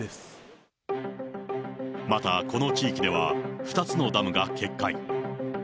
また、この地域では、２つのダムが決壊。